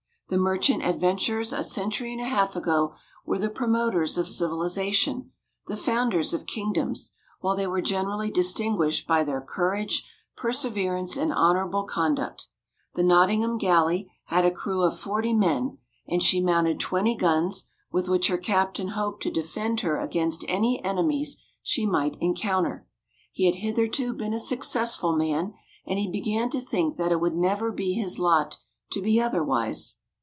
The merchant adventurers a century and a half ago were the promoters of civilisation, the founders of kingdoms, while they were generally distinguished by their courage, perseverance, and honourable conduct. The "Nottingham Galley" had a crew of forty men, and she mounted twenty guns, with which her captain hoped to defend her against any enemies she might encounter. He had hitherto been a successful man, and he began to think that it would never be his lot to be otherwise.